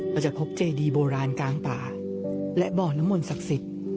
ก็จะพบเจดีโบราณกลางป่าและบ่อน้ำมนต์ศักดิ์สิทธิ์